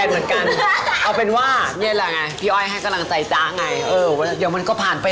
แม่บอกว่าพูดประอำนาจทำไม